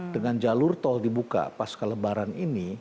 dengan jalur tol dibuka pas kelebaran ini